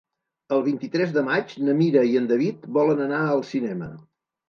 El vint-i-tres de maig na Mira i en David volen anar al cinema.